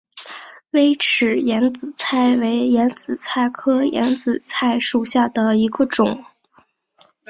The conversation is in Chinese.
微齿眼子菜为眼子菜科眼子菜属下的一个种。